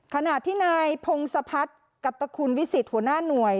ขณะที่นายพงศพัฒน์กัปตคุณวิสิตหัวหน้าหน่วย